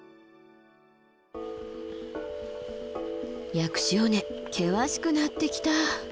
薬師尾根険しくなってきた。